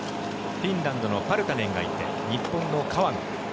フィンランドのパルタネンがいて日本の川野。